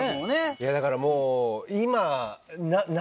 いやだからもう今。